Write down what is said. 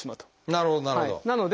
なるほどなるほど。